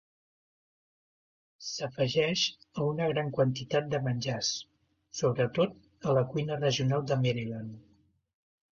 S'afegeix a una gran quantitat de menjars, sobretot a la cuina regional de Maryland.